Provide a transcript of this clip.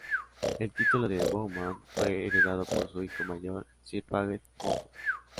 El título de Bowman fue heredado por su hijo mayor, Sir Paget Bowman.